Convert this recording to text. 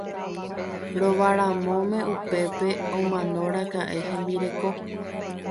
Ovaramóme upépe omanoraka'e hembireko.